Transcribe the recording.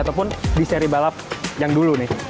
ataupun di seri balap yang dulu nih